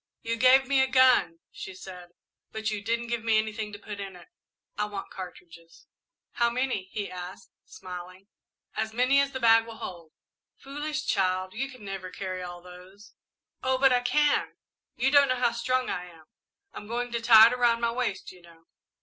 "You gave me a gun," she said, "but you didn't give me anything to put in it. I want cartridges." "How many?" he asked, smiling. "As many as the bag will hold." "Foolish child, you never can carry all those." "Oh, but I can you don't know how strong I am! I'm going to tie it around my waist, you know."